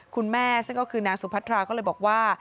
คุณแม่ซึ่งก็คือนางสุพัทราก็เลยบอกว่า